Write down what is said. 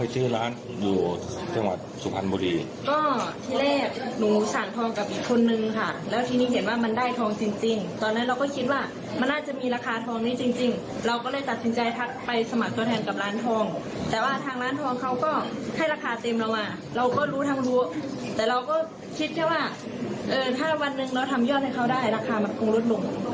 หรือถ้าวันหนึ่งเราทำยอดให้เขาได้ราคามักคงลดลง